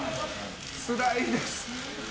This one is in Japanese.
つらいです。